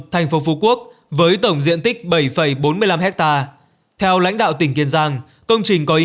thành phố phú quốc với tổng diện tích bảy bốn mươi năm hectare theo lãnh đạo tỉnh kiên giang công trình có ý